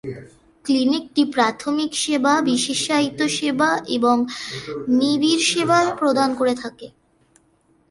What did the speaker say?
ক্লিনিকটি প্রাথমিক সেবা, বিশেষায়িত সেবা এবং নিবিড় সেবা প্রদান করে থাকে।